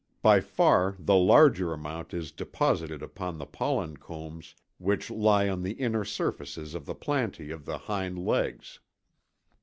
By far the larger amount is deposited upon the pollen combs which lie on the inner surfaces of the plantæ of the hind legs.